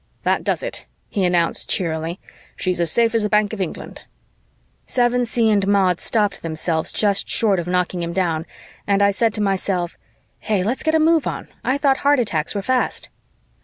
"That does it!" he announced cheerily. "She's as safe as the Bank of England." Sevensee and Maud stopped themselves just short of knocking him down and I said to myself, "Hey, let's get a move on! I thought heart attacks were fast."